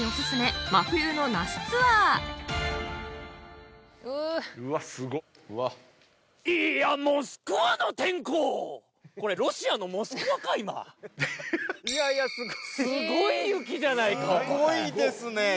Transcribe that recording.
すごいですね。